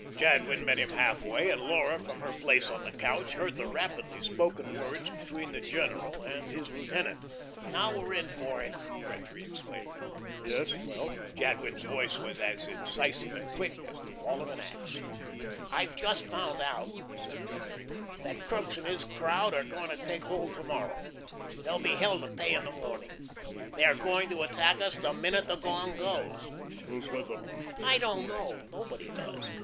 Jadwin met him half way, and Laura from her place on the couch heard the rapidly spoken words between the general and his lieutenant. "Now we're in for it!" Gretry exclaimed. "Yes well?" Jadwin's voice was as incisive and quick as the fall of an axe. "I've just found out," said Gretry, "that Crookes and his crowd are going to take hold to morrow. There'll be hell to pay in the morning. They are going to attack us the minute the gong goes." "Who's with them?" "I don't know; nobody does.